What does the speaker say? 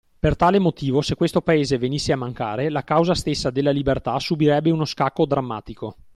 Per tale motivo, se questo Paese venisse a mancare, la causa stessa della libertà subirebbe uno scacco drammatico.